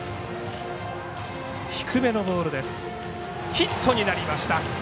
ヒットになりました。